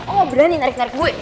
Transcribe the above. oh berani narik narik gue